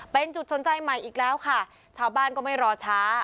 เป็นจุดสนใจใหม่อีกแล้วค่ะชาวบ้านก็ไม่รอช้า